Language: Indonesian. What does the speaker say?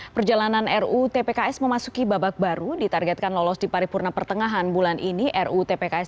perjalanan rutpks memasuki babak baru ditargetkan lolos di paripurna pertengahan bulan ini ruu tpks